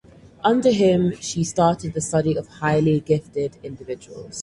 Under him she started the study of highly gifted individuals.